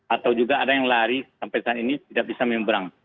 atau juga ada yang lari sampai saat ini tidak bisa memberang